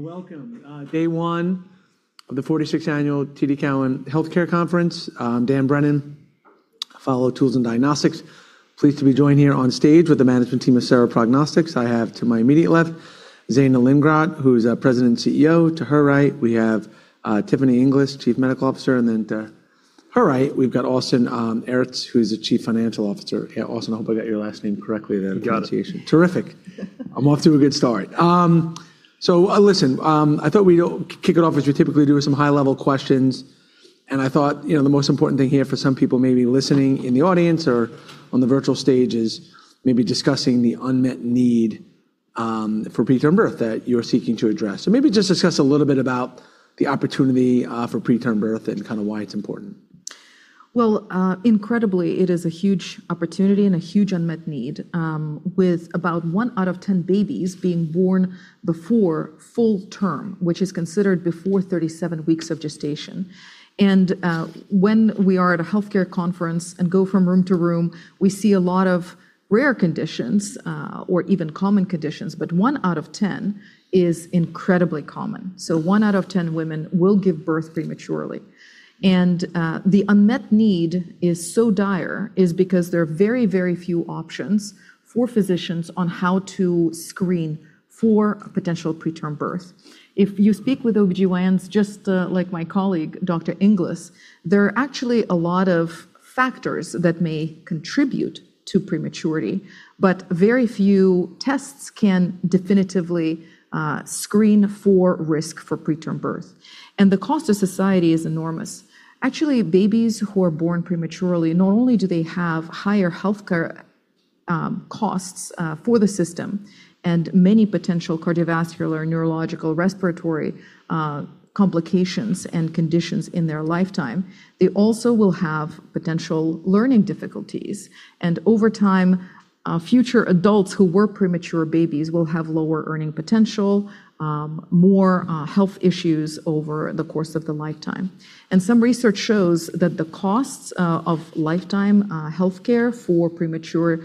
Welcome. Day one of the 46th annual TD Cowen Healthcare Conference. I'm Dan Brennan, I follow tools and diagnostics. Pleased to be joined here on stage with the management team of Sera Prognostics. I have to my immediate left, Zhenya Lindgardt, who's our President and CEO. To her right, we have Tiffany Inglis, Chief Medical Officer. Then to her right, we've got Austin Aerts, who's the Chief Financial Officer. Yeah, Austin, I hope I got your last name correctly there. You got it. Terrific. I'm off to a good start. Listen, I thought we'd kick it off as we typically do with some high-level questions. I thought, you know, the most important thing here for some people may be listening in the audience or on the virtual stage is maybe discussing the unmet need for preterm birth that you're seeking to address. Maybe just discuss a little bit about the opportunity for preterm birth and kinda why it's important. Well, incredibly, it is a huge opportunity and a huge unmet need, with about one out of 10 babies being born before full term, which is considered before 37 weeks of gestation. When we are at a healthcare conference and go from room to room, we see a lot of rare conditions, or even common conditions, but one out of 10 is incredibly common. So one out of 10 women will give birth prematurely. The unmet need is so dire is because there are very, very few options for physicians on how to screen for a potential preterm birth. If you speak with OBGYNs, just, like my colleague, Dr. Inglis, there are actually a lot of factors that may contribute to prematurity, but very few tests can definitively screen for risk for preterm birth. The cost to society is enormous. Actually, babies who are born prematurely, not only do they have higher healthcare costs for the system and many potential cardiovascular, neurological, respiratory, complications and conditions in their lifetime, they also will have potential learning difficulties. Over time, future adults who were premature babies will have lower earning potential, more health issues over the course of their lifetime. Some research shows that the costs of lifetime healthcare for premature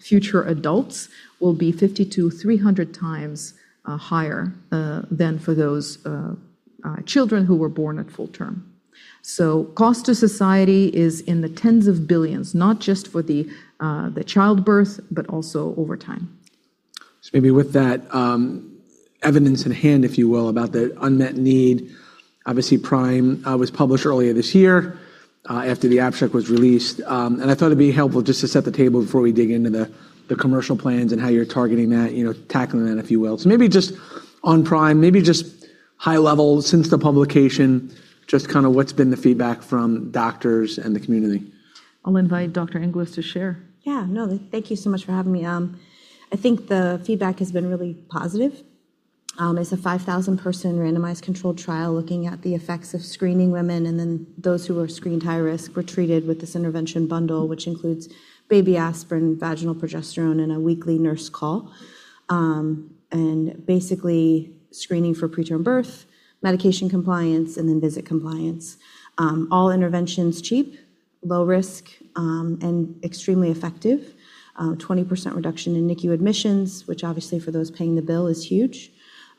future adults will be 50x to 300x higher than for those children who were born at full term. Cost to society is in the tens of billions, not just for the childbirth, but also over time. Maybe with that, evidence in hand, if you will, about the unmet need, obviously PRIME was published earlier this year after the abstract was released. I thought it'd be helpful just to set the table before we dig into the commercial plans and how you're targeting that, you know, tackling that, if you will. Maybe just on PRIME, maybe just high level since the publication, just kind of what's been the feedback from doctors and the community? I'll invite Dr. Inglis to share. Thank you so much for having me. I think the feedback has been really positive. It's a 5,000 person randomized controlled trial looking at the effects of screening women, and then those who were screened high risk were treated with this intervention bundle, which includes baby aspirin, vaginal progesterone, and a weekly nurse call. Basically screening for preterm birth, medication compliance, and then visit compliance. All interventions cheap, low risk, and extremely effective. 20% reduction in NICU admissions, which obviously for those paying the bill is huge.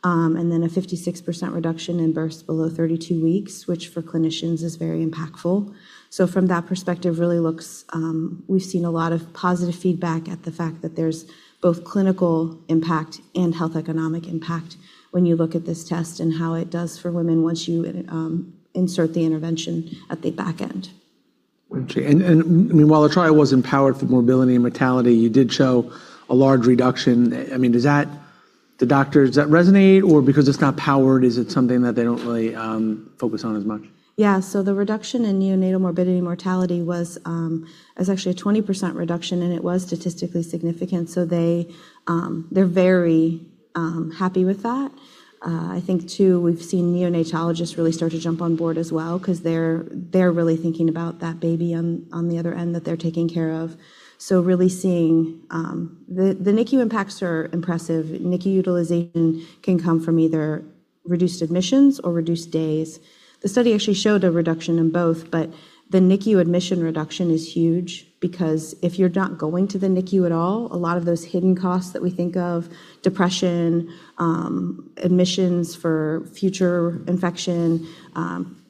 Then a 56% reduction in births below 32 weeks, which for clinicians is very impactful. From that perspective, We've seen a lot of positive feedback at the fact that there's both clinical impact and health economic impact when you look at this test and how it does for women once you insert the intervention at the back end. Meanwhile, the trial wasn't powered for morbidity and mortality. You did show a large reduction. I mean, the doctors, does that resonate? Or because it's not powered, is it something that they don't really focus on as much? Yeah. The reduction in neonatal morbidity and mortality was actually a 20% reduction, and it was statistically significant, so they're very happy with that. I think too, we've seen neonatologists really start to jump on board as well 'cause they're really thinking about that baby on the other end that they're taking care of. Really seeing. The NICU impacts are impressive. NICU [utilization] can come from either reduced admissions or reduced days. The study actually showed a reduction in both, but the NICU admission reduction is huge because if you're not going to the NICU at all, a lot of those hidden costs that we think of, depression, admissions for future infection,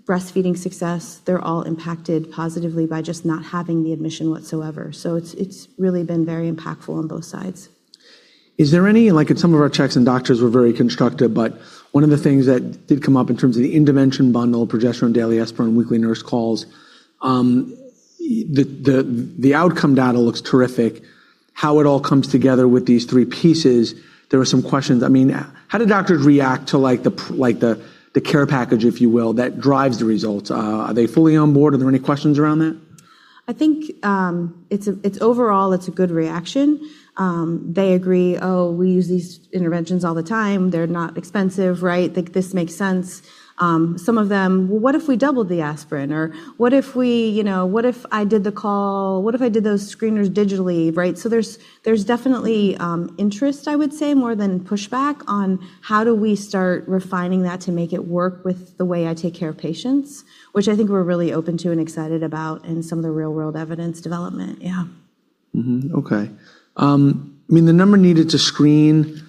breastfeeding success, they're all impacted positively by just not having the admission whatsoever. It's really been very impactful on both sides. Is there like in some of our checks, doctors were very constructive, but one of the things that did come up in terms of the intervention bundle, progesterone, daily aspirin, weekly nurse calls, the outcome data looks terrific. How it all comes together with these three pieces, there were some questions. I mean, how do doctors react to like the care package, if you will, that drives the results? Are they fully on board? Are there any questions around that? I think, it's a, it's overall, it's a good reaction. They agree, "Oh, we use these interventions all the time. They're not expensive, right? Like, this makes sense." Some of them, "What if we doubled the aspirin?" Or, "What if we, you know, what if I did the call? What if I did those screeners digitally?" Right? There's, there's definitely, interest, I would say, more than pushback on how do we start refining that to make it work with the way I take care of patients, which I think we're really open to and excited about in some of the real world evidence development. Yeah. Mm-hmm. Okay. I mean, the number needed to screen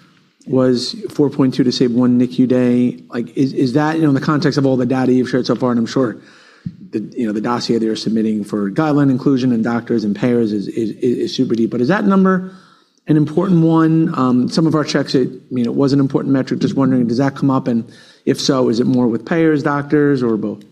was 4.2 to save one NICU day. Like, is that, you know, in the context of all the data you've shared so far, and I'm sure you know, the dossier they are submitting for guideline inclusion and doctors and payers is super deep, but is that number an important one? Some of our checks you know, it was an important metric. Just wondering, does that come up, and if so, is it more with payers, doctors, or both?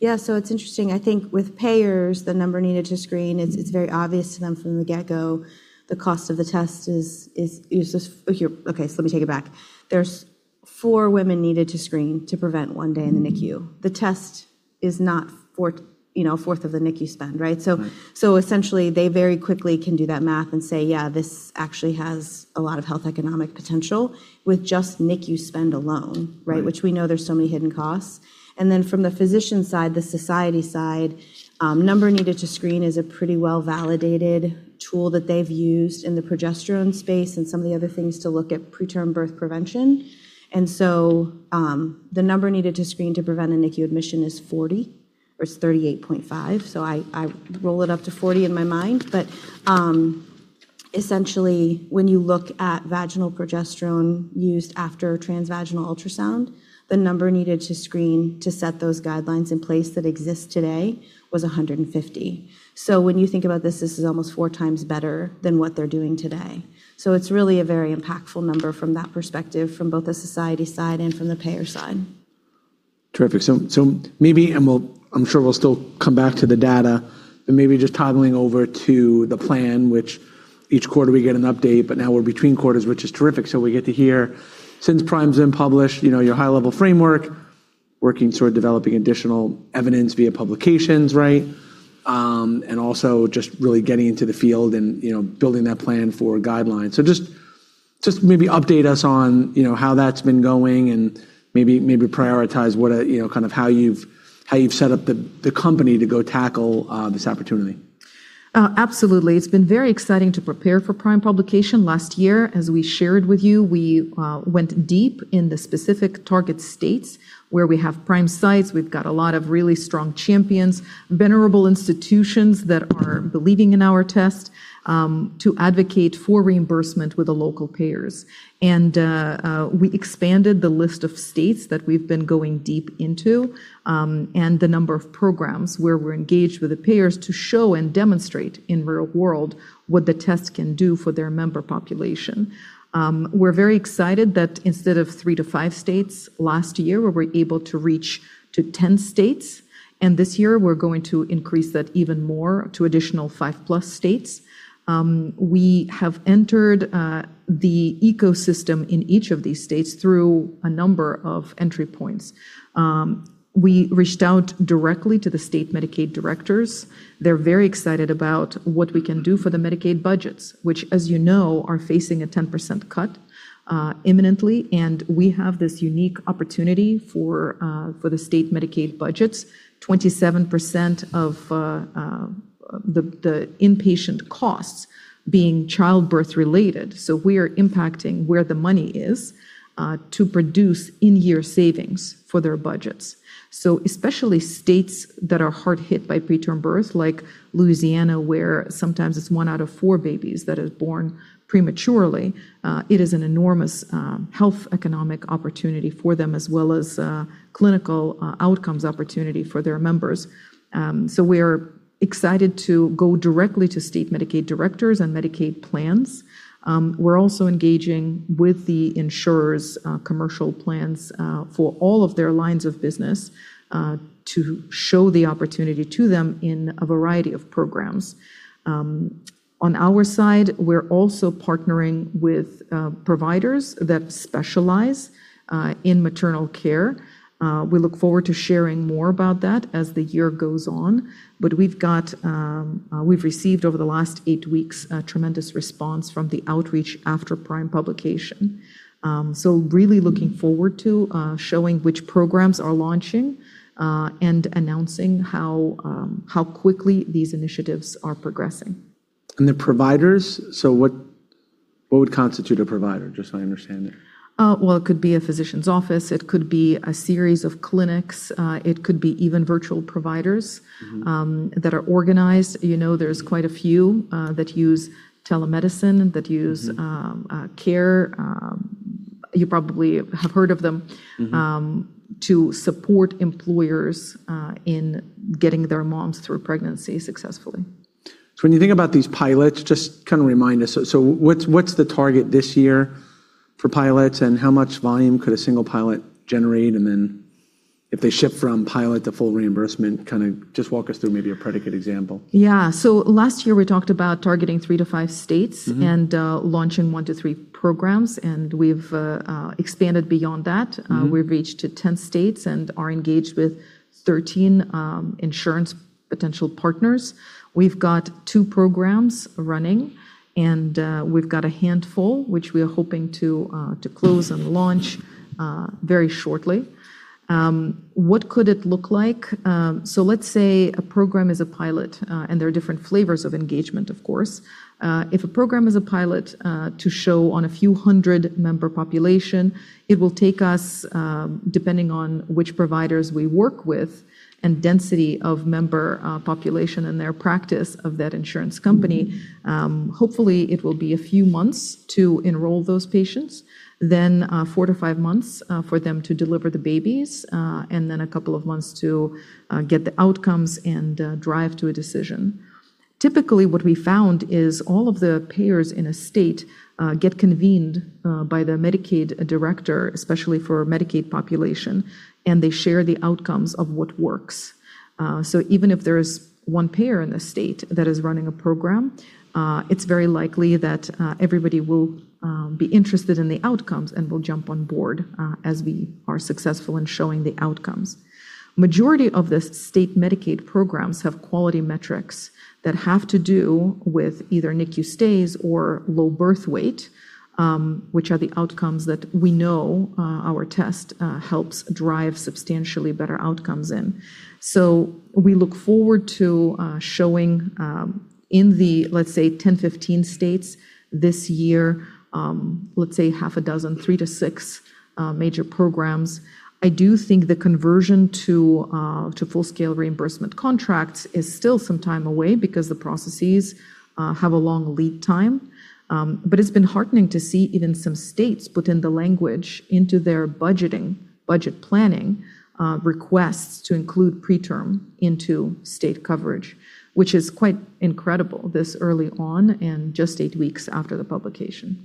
It's interesting. I think with payers, the number needed to screen, it's very obvious to them from the get-go the cost of the test is. Let me take it back. There's four women needed to screen to prevent one day in the NICU. The test is not 1/4, you know, 1/4 of the NICU spend, right? Right. Essentially, they very quickly can do that math and say, "Yeah, this actually has a lot of health economic potential with just NICU spend alone," right? Right. Which we know there's so many hidden costs. From the physician side, the society side, number needed to screen is a pretty well-validated tool that they've used in the progesterone space and some of the other things to look at preterm birth prevention. The number needed to screen to prevent a NICU admission is 40, or it's 38.5. I roll it up to 40 in my mind. Essentially, when you look at vaginal progesterone used after a transvaginal ultrasound, the number needed to screen to set those guidelines in place that exist today was 150. When you think about this is almost 4x better than what they're doing today. It's really a very impactful number from that perspective, from both the society side and from the payer side. Terrific. Maybe, and I'm sure we'll still come back to the data, but maybe just toggling over to the plan, which each quarter we get an update, but now we're between quarters, which is terrific, so we get to hear. Since PRIME's been published, you know, your high-level framework, working toward developing additional evidence via publications, right? Also just really getting into the field and, you know, building that plan for guidelines. Just maybe update us on, you know, how that's been going and maybe prioritize what, you know, kind of how you've set up the company to go tackle this opportunity. Absolutely. It's been very exciting to prepare for PRIME publication. Last year, as we shared with you, we went deep in the specific target states where we have PRIME sites. We've got a lot of really strong champions, venerable institutions that are believing in our test to advocate for reimbursement with the local payers. We expanded the list of states that we've been going deep into, and the number of programs where we're engaged with the payers to show and demonstrate in real world what the test can do for their member population. We're very excited that instead of three to five states last year, we were able to reach to 10 states, and this year we're going to increase that even more to additional five-plus states. We have entered the ecosystem in each of these states through a number of entry points. We reached out directly to the state Medicaid directors. They're very excited about what we can do for the Medicaid budgets, which, as you know, are facing a 10% cut imminently. We have this unique opportunity for the state Medicaid budgets, 27% of the inpatient costs being childbirth-related. We are impacting where the money is to produce in-year savings for their budgets. Especially states that are hard hit by preterm birth, like Louisiana, where sometimes it's one out of four babies that is born prematurely, it is an enormous health economic opportunity for them as well as a clinical outcomes opportunity for their members. We're excited to go directly to state Medicaid directors and Medicaid plans. We're also engaging with the insurers' commercial plans for all of their lines of business to show the opportunity to them in a variety of programs. On our side, we're also partnering with providers that specialize in maternal care. We look forward to sharing more about that as the year goes on. We've received over the last eight weeks a tremendous response from the outreach after PRIME publication. Really looking forward to showing which programs are launching and announcing how quickly these initiatives are progressing. The providers, so what would constitute a provider? Just so I understand that. Well, it could be a physician's office, it could be a series of clinics, it could be even virtual providers that are organized. You know, there's quite a few that use telemedicine, that use care, you probably have heard of them- Mm-hmm To support employers, in getting their moms through pregnancy successfully. When you think about these pilots, just kind of remind us, what's the target this year for pilots, and how much volume could a single pilot generate? Then if they shift from pilot to full reimbursement, kinda just walk us through maybe a predicate example? Yeah. Last year we talked about targeting three to five states. Mm-hmm Launching one to three programs, and we've expanded beyond that. Mm-hmm. We've reached to 10 states and are engaged with 13 insurance potential partners. We've got two programs running, we've got a handful which we are hoping to to close and launch very shortly. What could it look like? Let's say a program is a pilot, there are different flavors of engagement, of course. If a program is a pilot to show on a few hundred-member population, it will take us depending on which providers we work with and density of member population and their practice of that insurance company, hopefully it will be a few months to enroll those patients. four to five months for them to deliver the babies, a couple of months to get the outcomes and drive to a decision. Typically, what we found is all of the payers in a state get convened by the Medicaid director, especially for Medicaid population. They share the outcomes of what works. Even if there's one payer in the state that is running a program, it's very likely that everybody will be interested in the outcomes and will jump on board as we are successful in showing the outcomes. Majority of the state Medicaid programs have quality metrics that have to do with either NICU stays or low birth weight, which are the outcomes that we know our test helps drive substantially better outcomes in. We look forward to showing in the, let's say, 10, 15 states this year, let's say half a dozen, three to six major programs. I do think the conversion to full-scale reimbursement contracts is still some time away because the processes have a long lead time. But it's been heartening to see even some states put in the language into their budgeting, budget planning requests to include preterm into state coverage, which is quite incredible this early on and just eight weeks after the publication.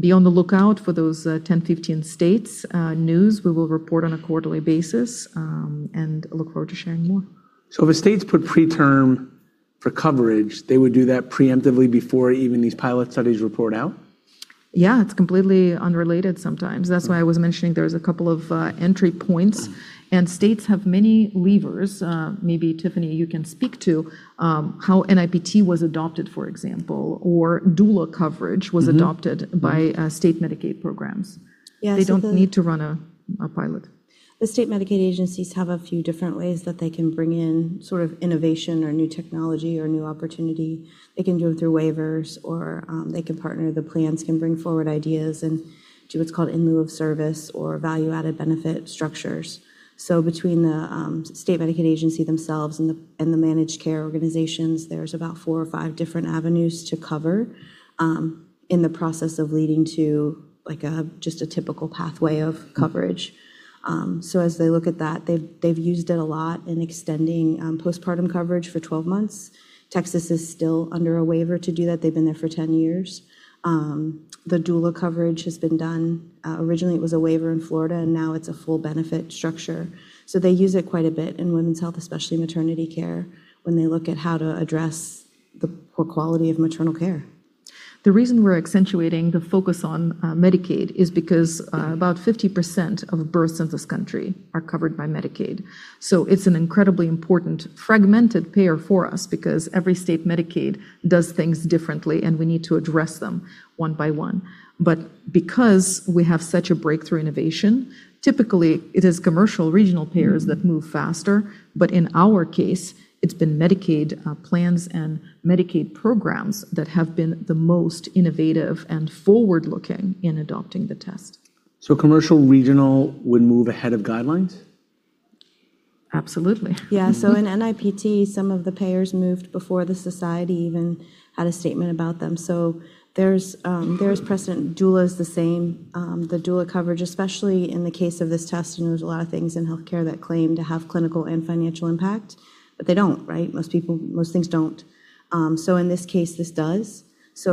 Be on the lookout for those 10, 15 states news. We will report on a quarterly basis and look forward to sharing more. If the states put preterm for coverage, they would do that preemptively before even these pilot studies report out? Yeah. It's completely unrelated sometimes. That's why I was mentioning there's a couple of entry points. States have many levers. Maybe Tiffany, you can speak to how NIPT was adopted, for example, or doula coverage... Mm-hmm was adopted by, state Medicaid programs. Yeah. the- They don't need to run a pilot. The state Medicaid agencies have a few different ways that they can bring in sort of innovation or new technology or new opportunity. They can do it through waivers or, they can partner. The plans can bring forward ideas and do what's called in lieu of services or value-added benefit structures. Between the state Medicaid agency themselves and the Managed Care Organizations, there's about four or five different avenues to cover in the process of leading to, like just a typical pathway of coverage. As they look at that, they've used it a lot in extending postpartum coverage for 12 months. Texas is still under a waiver to do that. They've been there for 10 years. The doula coverage has been done. Originally it was a waiver in Florida, and now it's a full benefit structure. They use it quite a bit in women's health, especially maternity care, when they look at how to address the poor quality of maternal care. The reason we're accentuating the focus on Medicaid is because about 50% of births in this country are covered by Medicaid. It's an incredibly important fragmented payer for us because every state Medicaid does things differently, and we need to address them one by one. Because we have such a breakthrough innovation, typically it is commercial regional payers that move faster. In our case, it's been Medicaid plans and Medicaid programs that have been the most innovative and forward-looking in adopting the test. Commercial regional would move ahead of guidelines? Absolutely. Yeah. In NIPT, some of the payers moved before the society even had a statement about them. There's precedent. Doula is the same. The doula coverage, especially in the case of this test, and there's a lot of things in healthcare that claim to have clinical and financial impact, but they don't, right? Most things don't. In this case, this does.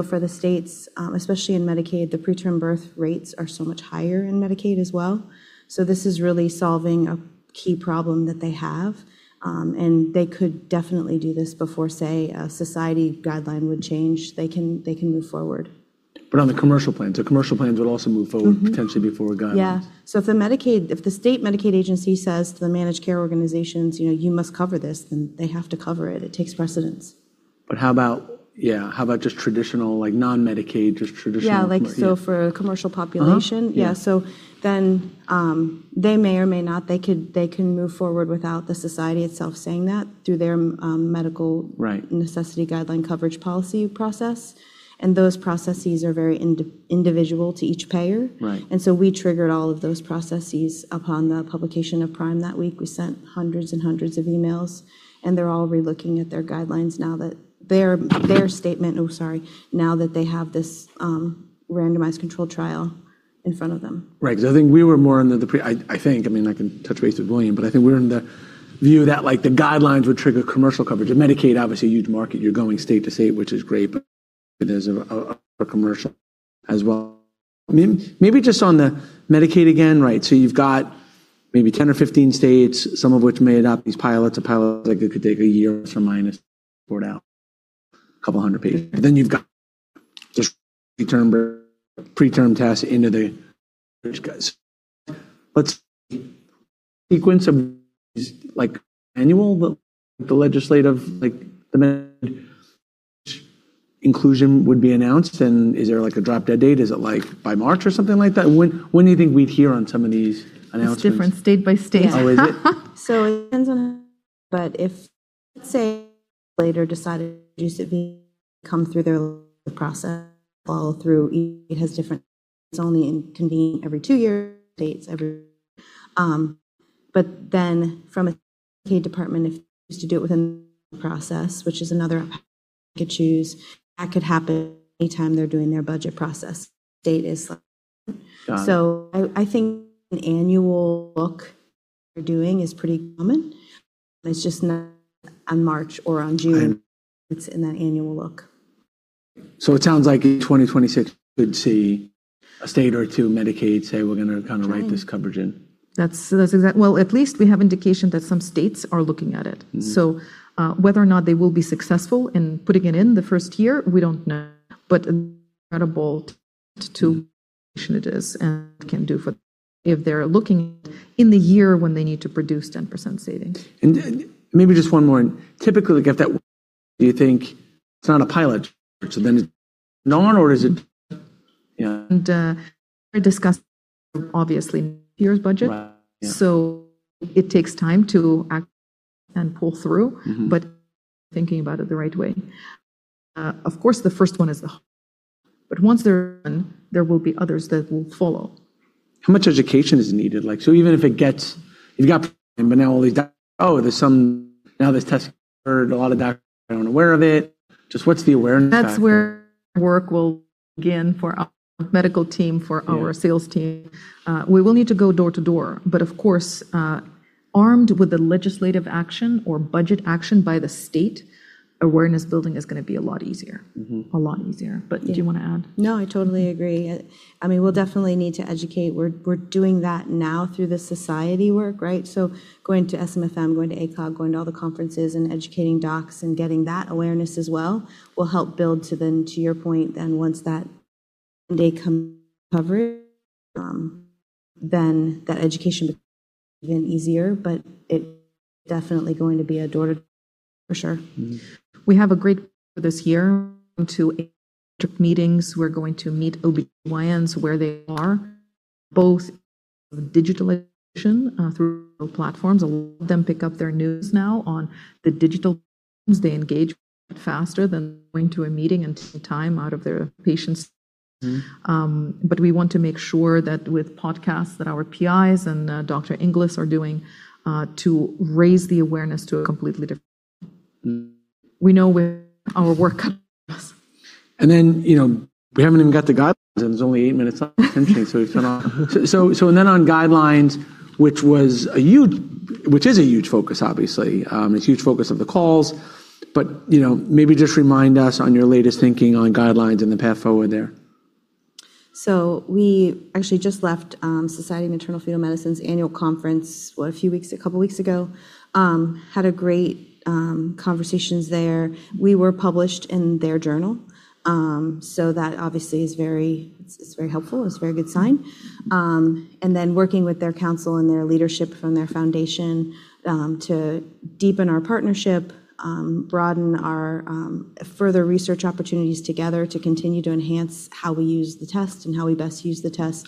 For the states, especially in Medicaid, the preterm birth rates are so much higher in Medicaid as well. This is really solving a key problem that they have. They could definitely do this before, say, a society guideline would change. They can move forward. On the commercial plan. Commercial plans would also move forward. Mm-hmm ...potentially before guidelines. Yeah. If the state Medicaid agency says to the Managed Care Organizations, "You know, you must cover this," then they have to cover it. It takes precedence. Yeah. How about just traditional, like, non-Medicaid, just traditional. Yeah. Like, for commercial population? Uh-huh. Yeah. Yeah. They may or may not. They can move forward without the society itself saying that through their medical- Right Necessity guideline coverage policy process. Those processes are very individual to each payer. Right. We triggered all of those processes upon the publication of PRIME that week. We sent hundreds and hundreds of emails. They're all relooking at their guidelines now that they have this randomized controlled trial in front of them. Right. 'Cause I think we were more under the I think, I mean, I can touch base with William, but I think we're in the view that, like, the guidelines would trigger commercial coverage. Medicaid, obviously, a huge market. You're going state to state, which is great, but it is a commercial as well. Maybe just on the Medicaid again, right? You've got maybe 10 or 15 states, some of which made up these pilots. A pilot, like, it could take a year for minus report out, couple hundred pages. You've got just preterm birth, preterm tests into the [guys]. Let's sequence of like annual, the legislative, like the med-Inclusion would be announced. Is there like a drop-dead date? Is it like by March or something like that? When, when do you think we'd hear on some of these announcements? It's different state by state. Oh, is it? It depends on... If, let's say, later decided to come through their process, follow through, it has different... It's only in convening every two years, dates every... From a state department, if they used to do it within the process, which is another they could choose, that could happen anytime they're doing their budget process. Date is like... Got it. I think an annual look they're doing is pretty common. It's just not on March or on June. I- It's in that annual look. It sounds like in 2026 we could see a state or two Medicaid say we're gonna kinda write this coverage in. That's. Well, at least we have indication that some states are looking at it. Mm-hmm. Whether or not they will be successful in putting it in the first year, we don't know. Incredible to it is and can do for if they're looking in the year when they need to produce 10% savings. Maybe just one more. Typically, to get that, do you think it's not a pilot? It's nor or is it... Yeah. We're discussing obviously year's budget. Right. Yeah. It takes time to act and pull through. Mm-hmm. thinking about it the right way. Of course, the first one is the. Once they're in, there will be others that will follow. How much education is needed? Like, so even if You've got, but now all these Now this test heard a lot of doctors aren't aware of it. Just what's the awareness factor? That's where work will begin for our medical team. Yeah Sales team. We will need to go door to door. Of course, armed with the legislative action or budget action by the state, awareness building is gonna be a lot easier. Mm-hmm. A lot easier. Do you wanna add? No, I totally agree. I mean, we'll definitely need to educate. We're doing that now through the society work, right? Going to SMFM, going to ACOG, going to all the conferences and educating docs and getting that awareness as well will help build to then, to your point. Then once that day come covered, then that education even easier. It definitely going to be a door-to-door for sure. Mm-hmm. We have a great this year to meetings. We're going to meet OBGYNs where they are, both digital through platforms. A lot of them pick up their news now on the digital. They engage faster than going to a meeting and taking time out of their patients. Mm-hmm. We want to make sure that with podcasts that our PIs and Dr. Inglis are doing to raise the awareness to a completely different. Mm. We know where our work comes. You know, we haven't even got the guidelines, and it's only eight minutes left. Interesting. We've gone on. On guidelines, which is a huge focus, obviously, it's huge focus of the calls. You know, maybe just remind us on your latest thinking on guidelines and the path forward there. We actually just left, Society for Maternal-Fetal Medicine's Annual Conference a few weeks, a couple weeks ago. Had a great conversations there. We were published in their journal, so that obviously is very, it's very helpful. It's a very good sign. Working with their council and their leadership from their foundation, to deepen our partnership, broaden our further research opportunities together to continue to enhance how we use the test and how we best use the test.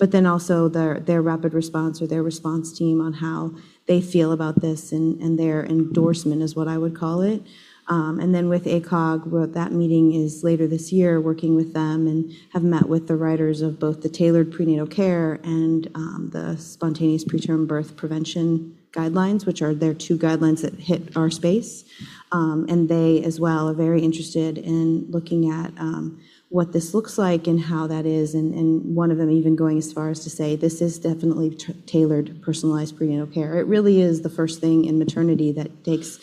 Also their rapid response or their response team on how they feel about this and their endorsement is what I would call it. With ACOG, well, that meeting is later this year, working with them and have met with the writers of both the tailored prenatal care and the spontaneous preterm birth prevention guidelines, which are their two guidelines that hit our space. They as well are very interested in looking at what this looks like and how that is. One of them even going as far as to say, "This is definitely tailored, personalized prenatal care." It really is the first thing in maternity that takes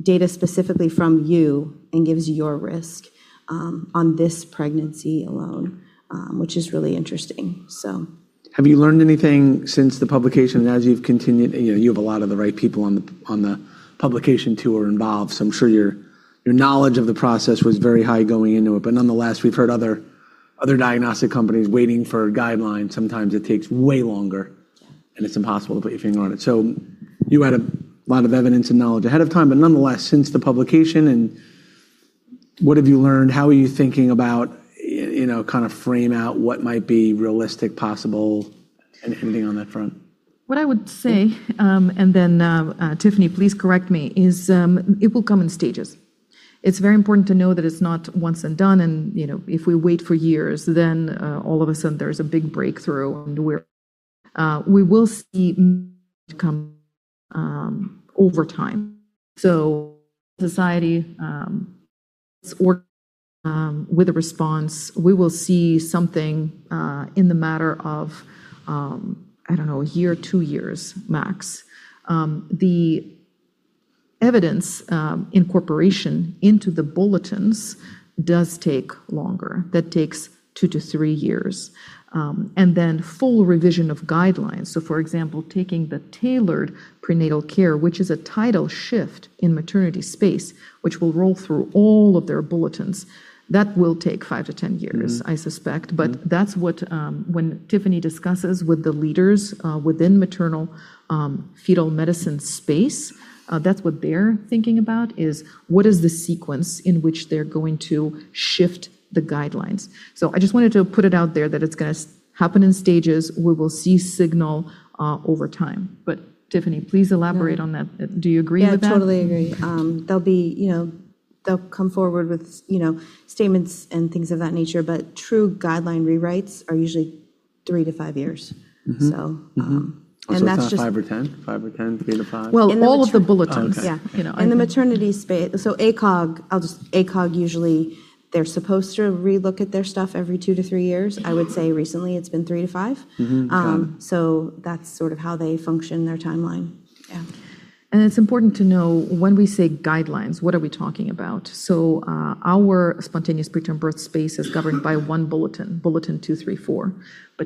data specifically from you and gives your risk on this pregnancy alone, which is really interesting. So. Have you learned anything since the publication as you've continued? You know, you have a lot of the right people on the, on the publication tour involved, so I'm sure your knowledge of the process was very high going into it. Nonetheless, we've heard other diagnostic companies waiting for guidelines. Sometimes it takes way longer, and it's impossible to put your finger on it. You had a lot of evidence and knowledge ahead of time. Nonetheless, since the publication and what have you learned? How are you thinking about, you know, kind of frame out what might be realistic, possible, anything on that front? What I would say, and then Tiffany, please correct me, is, it will come in stages. It's very important to know that it's not once and done and, you know, if we wait for years, then all of a sudden there's a big breakthrough and we will see come over time. Society, or with a response, we will see something in the matter of, I don't know, a year, two years max. The evidence, incorporation into the bulletins does take longer. That takes two to three years. Full revision of guidelines. For example, taking the tailored prenatal care, which is a title shift in maternity space, which will roll through all of their bulletins. That will take five to 10 years. Mm-hmm I suspect. That's what, when Tiffany discusses with the leaders, within maternal-fetal medicine space, that's what they're thinking about, is what is the sequence in which they're going to shift the guidelines. I just wanted to put it out there that it's gonna happen in stages. We will see signal, over time. Tiffany, please elaborate on that. Do you agree with that? Yeah, I totally agree. They'll come forward with, you know, statements and things of that nature, but true guideline rewrites are usually three to five years. Mm-hmm. So, um, and that's not- It's kind of five or 10? five or 10, three to five? Well, all of the bulletins. Oh, okay. Yeah. You know. In the maternity space. ACOG usually, they're supposed to relook at their stuff every two to three years. I would say recently it's been three to five years. Mm-hmm. Got it. That's sort of how they function their timeline. Yeah. It's important to know when we say guidelines, what are we talking about? Our spontaneous preterm birth space is governed by one Bulletin 234.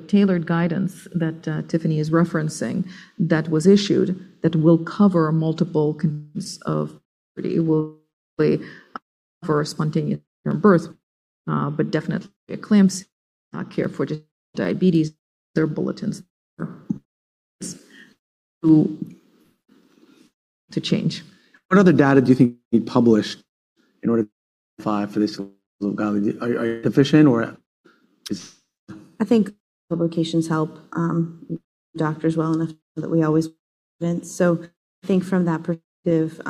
Tailored guidance that Tiffany is referencing that was issued that will cover multiple cases of. It will play for a spontaneous birth, definitely eclampsia, care for diabetes. Their bulletins to change. What other data do you think need published in order to for this are you efficient? I think publications help, doctors well enough that from that perspective,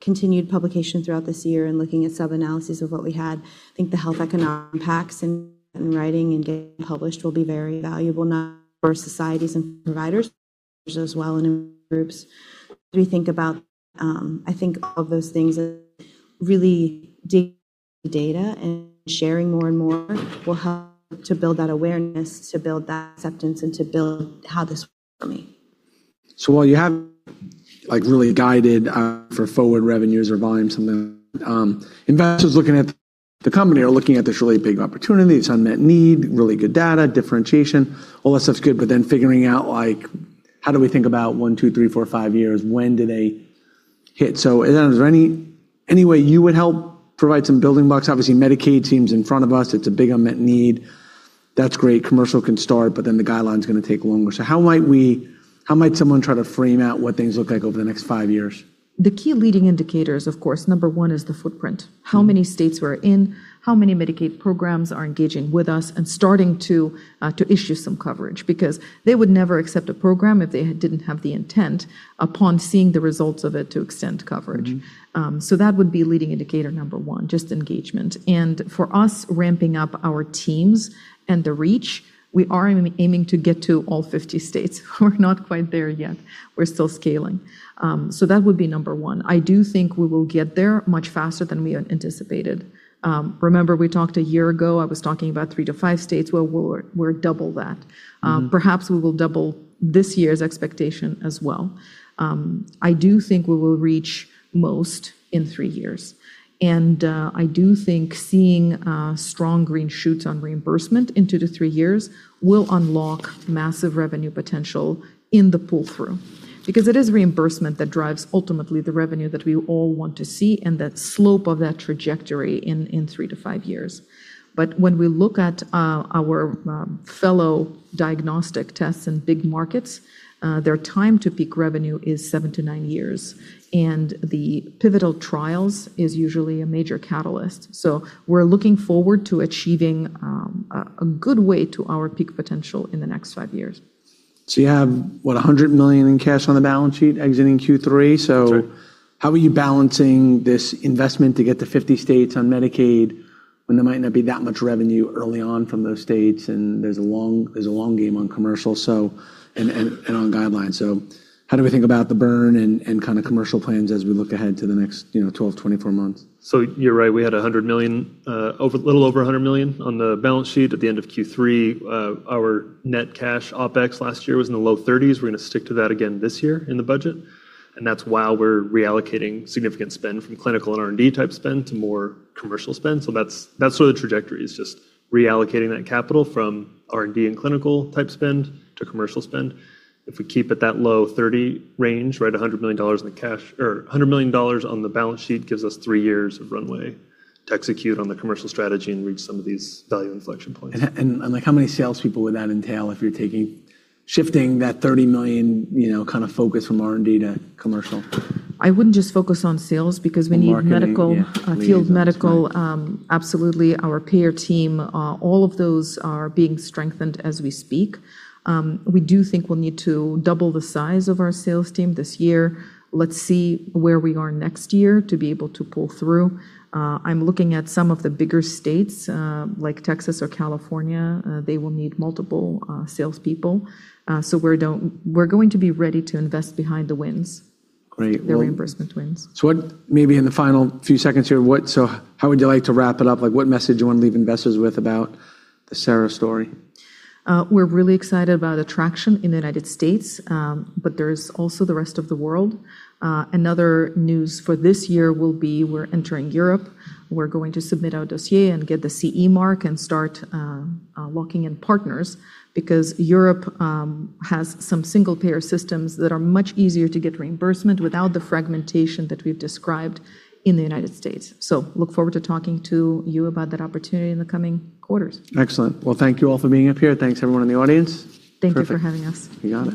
continued publication throughout this year and looking at sub-analysis of what we had, I think the health economic impacts in writing and getting published will be very valuable not only for societies and providers as well in groups. As we think about, I think all of those things really deep data and sharing more and more will help to build that awareness, to build that acceptance, and to build how this works for me. While you have, like, really guided for forward revenues or volume, something, investors looking at the company are looking at this really big opportunity. It's unmet need, really good data, differentiation, all that stuff's good, figuring out, like, how do we think about one, two, three, four, five years? When do they hit? Is there any way you would help provide some building blocks? Obviously, Medicaid team's in front of us. It's a big unmet need. That's great. Commercial can start, the guideline's gonna take longer. How might someone try to frame out what things look like over the next five years? The key leading indicators, of course, number one is the footprint. How many states we're in, how many Medicaid programs are engaging with us and starting to issue some coverage. Because they would never accept a program if they didn't have the intent upon seeing the results of it to extend coverage. Mm-hmm. That would be leading indicator number one, just engagement. For us ramping up our teams and the reach, we are aiming to get to all 50 states. We're not quite there yet. We're still scaling. That would be number one. I do think we will get there much faster than we had anticipated. Remember we talked a year ago, I was talking about three to five states. Well, we're double that. Perhaps we will double this year's expectation as well. I do think we will reach most in three years. I do think seeing strong green shoots on reimbursement in two to three years will unlock massive revenue potential in the pull-through. It is reimbursement that drives ultimately the revenue that we all want to see and that slope of that trajectory in three to five years. When we look at our fellow diagnostic tests in big markets, their time to peak revenue is seven to nine years, and the pivotal trials is usually a major catalyst. We're looking forward to achieving a good way to our peak potential in the next five years. So you have, what, $100 million in cash on the balance sheet exiting Q3? That's right. How are you balancing this investment to get to 50 states on Medicaid when there might not be that much revenue early on from those states and there's a long game on commercial and on guidelines. How do we think about the burn and kind of commercial plans as we look ahead to the next, you know, 12, 24 months? You're right. We had $100 million, little over $100 million on the balance sheet at the end of Q3. Our net cash OpEx last year was in the low 30s. We're gonna stick to that again this year in the budget, and that's why we're reallocating significant spend from clinical and R&D type spend to more commercial spend. That's where the trajectory is, just reallocating that capital from R&D and clinical type spend to commercial spend. If we keep it that low 30 range, right, $100 million in the cash or $100 million on the balance sheet gives us three years of runway to execute on the commercial strategy and reach some of these value inflection points. Like how many salespeople would that entail if you're shifting that $30 million, you know, kind of focus from R&D to commercial? I wouldn't just focus on sales because we need medical- Well, marketing, yeah. Field medical, absolutely. Our payer team, all of those are being strengthened as we speak. We do think we'll need to double the size of our sales team this year. Let's see where we are next year to be able to pull through. I'm looking at some of the bigger states, like Texas or California. They will need multiple salespeople. We're going to be ready to invest behind the wins. Great. Well- The reimbursement wins. Maybe in the final few seconds here, how would you like to wrap it up? Like, what message you wanna leave investors with about the Sera story? We're really excited about the traction in the United States, but there's also the rest of the world. Another news for this year will be we're entering Europe. We're going to submit our dossier and get the CE mark and start locking in partners because Europe has some single-payer systems that are much easier to get reimbursement without the fragmentation that we've described in the United States. Look forward to talking to you about that opportunity in the coming quarters. Excellent. Well, thank you all for being up here. Thanks everyone in the audience. Perfect. Thank you for having us. You got it.